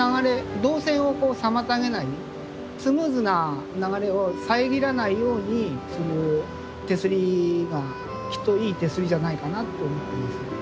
動線を妨げないスムーズな流れを遮らないようにする手すりがきっといい手すりじゃないかなと思ってます。